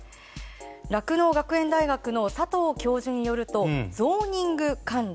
酪農学園大学の佐藤教授によるとゾーニング管理。